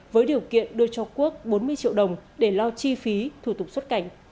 với điều kiện đưa cho quốc bốn mươi triệu đồng để lo chi phí thủ tục xuất cảnh